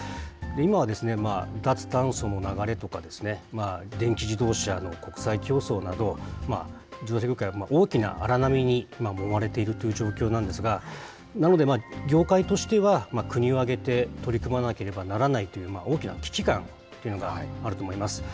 今は、脱炭素の流れとかですね、電気自動車の国際競争など、自動車業界、大きな荒波にもまれているという状況なんですが、なので、業界としては、国を挙げて取り組まなければならないという大きな危機感というのがあると思います。